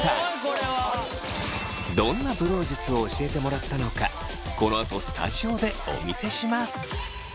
どんなブロー術を教えてもらったのかこのあとスタジオでお見せします。